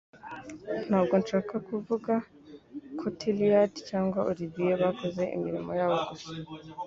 Ntabwo nshaka kuvuga ko Tillyard cyangwa Olivier bakoze imirimo yabo gusa